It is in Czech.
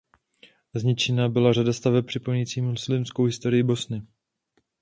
Zničena byla řada staveb připomínající muslimskou historii Bosny.